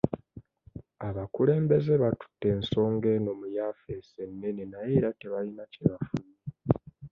Abakulembeze battute ensonga eno mu yafeesi ennene naye era tebayina kye bafunye.